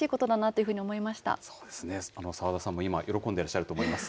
そうですね、澤田さんも今、喜んでらっしゃると思います。